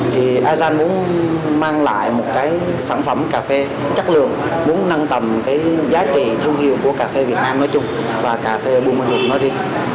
thì a z gian muốn mang lại một cái sản phẩm cà phê chất lượng muốn nâng tầm cái giá trị thương hiệu của cà phê việt nam nói chung và cà phê buôn mê thuật nói đi